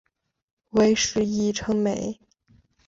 为时议称美。